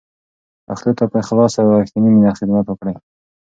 پښتو ته په اخلاص او رښتینې مینه خدمت وکړئ.